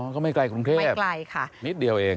ก็ไม่ไกลกรุงเทพฯนิดเดียวเองไม่ไกลค่ะ